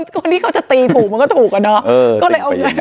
คนที่เขาจะตีถูกมันก็ถูกแล้วเนอะก็เลยตีเป็นแย่ยังไง